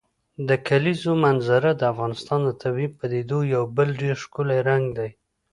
د کلیزو منظره د افغانستان د طبیعي پدیدو یو بل ډېر ښکلی رنګ دی.